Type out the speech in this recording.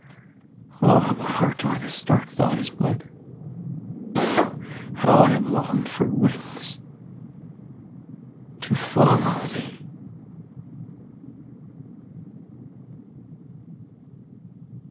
Oh, how my heart o'er this dark thought has bled! How I have longed for wings to follow thee!